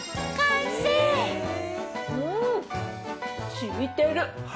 染みてる。